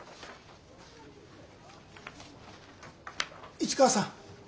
市川さん！